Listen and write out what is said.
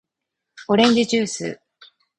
おれんじじゅーす